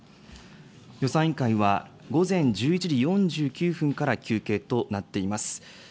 予算委員会は午前１１時４９分から休憩となっています。